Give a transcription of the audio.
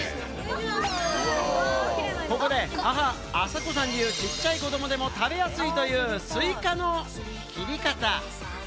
ここで、母・朝子さん流、ちっちゃい子でも食べやすいというスイカの切り方。